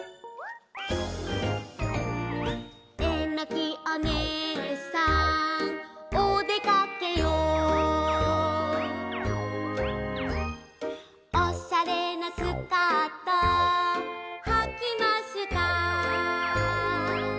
「えのきお姉さんおでかけよ」「おしゃれなスカートはきました」